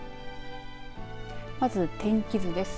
まず天気図です。